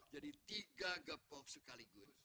jadi tiga gepok sekaligus